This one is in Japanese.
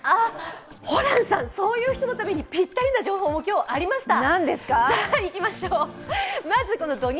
ホランさん、そういう人のためにぴったりな情報ありました！